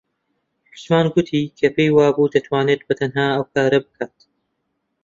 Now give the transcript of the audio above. عوسمان گوتی کە پێی وابوو دەتوانێت بەتەنها ئەو کارە بکات.